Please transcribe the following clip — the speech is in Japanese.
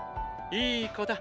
いい子だ。